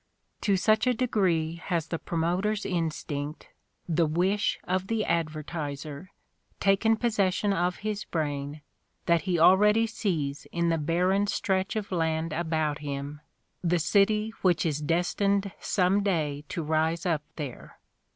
To such a degree has the promoter's instinct, the "wish" of the advertiser, taken possession of his brain that he already sees in the barren stretch of land about him the city which is destined some day to rise up there.